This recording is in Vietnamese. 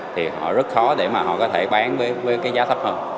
thì họ rất khó để mà họ có thể bán với cái giá thấp hơn